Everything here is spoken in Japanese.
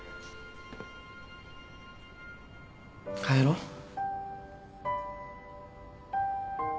帰ろう。